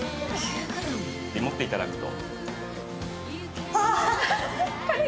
持っていただくと。